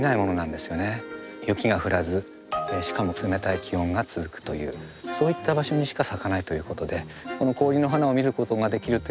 雪が降らずしかも冷たい気温が続くというそういった場所にしか咲かないということでこの氷の花を見ることができるというのは高尾山の大きな魅力だと思います。